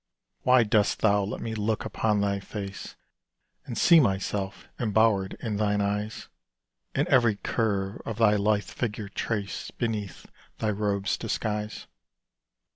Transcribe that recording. Why dost thou let me look upon thy face, And see myself embowered in thine eyes, And every curve of thy lithe figure trace Beneath thy robe's disguise.